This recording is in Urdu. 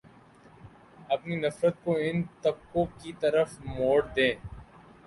اپنی نفرت کو ان طبقوں کی طرف موڑ دیں